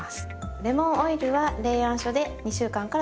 レモンオイルは冷暗所で２週間から３週間。